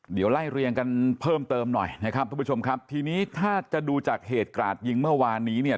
เดี๋ยวไล่เรียงกันเพิ่มเติมหน่อยนะครับทุกผู้ชมครับทีนี้ถ้าจะดูจากเหตุกราดยิงเมื่อวานนี้เนี่ย